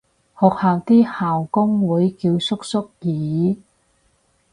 學校啲校工會叫叔叔姨姨